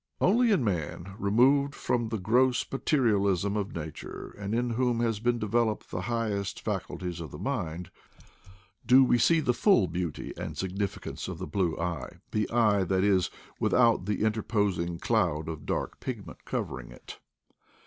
Only in man, removed from the gross materialism of nature, and in whom has been developed the high est faculties of the mind, do we see the full beauty and significance of the blue eye — the eye, that is, CONCERNING EYES 197 without the interposing cloud of dark pigment covering it.